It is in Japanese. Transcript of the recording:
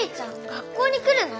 学校に来るの？